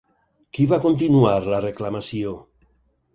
Qui va continuar la reclamació?